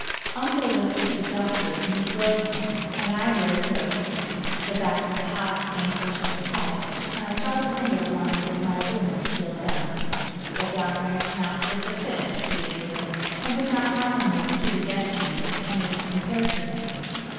Uncle went with the doctor in his brougham, and I rode Zoe. The back of the house came first in sight, and I saw the window blinds of my room still down. The doctor had pronounced it the fittest for the invalid, and would not have him moved to the guest chamber Penny had prepared for him.